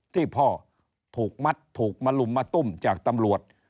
ที่พ่อถูกมัดถูกมาลุมมาตุ้มจากตำรวจ